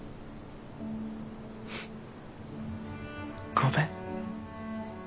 ごめん。